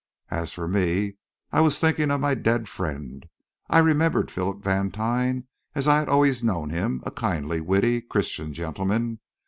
As for me, I was thinking of my dead friend. I remembered Philip Vantine as I had always known him a kindly, witty, Christian gentleman.